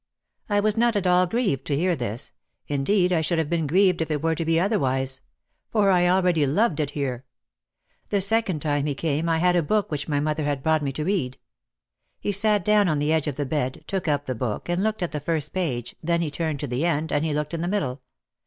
I was not at all grieved to hear this. Indeed I should have been grieved if it were to be otherwise. For I already loved it here. The second time he came I had a book which my mother had brought me to read. He sat down on the edge of the bed, took up the book and looked at the first page, then he turned to the end, and he looked in the middle.